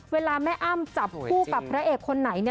เวลาแม่อ้ำจับคู่กับพระเอกคนไหนเนี่ย